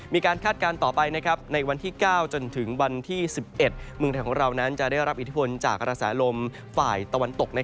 คาดการณ์ต่อไปในวันที่๙จนถึงวันที่๑๑เมืองไทยของเรานั้นจะได้รับอิทธิพลจากกระแสลมฝ่ายตะวันตก